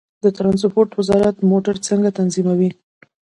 د ترانسپورت وزارت موټر څنګه تنظیموي؟